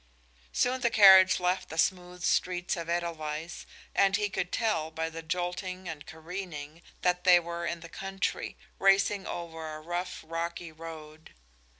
Soon the carriage left the smooth streets of Edelweiss and he could tell, by the jolting and careening, that they were in the country, racing over a rough, rocky road.